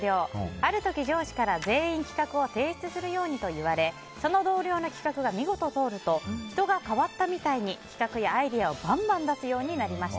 ある時、上司から全員企画を提出するように言われその同僚の企画が見事に通ると人が変わったみたいに企画やアイデアをバンバン出すようになりました。